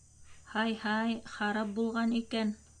— Һай-һай, харап булған икән.